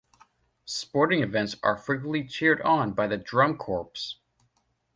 Sporting events are frequently cheered on by the Drum Corps.